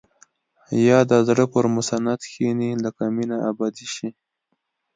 يا د زړه پر مسند کښيني لکه مينه ابدي شي.